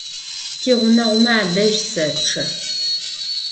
Tiğuneğume adej seççe.